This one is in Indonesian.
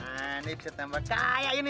ini bisa tambah kaya ini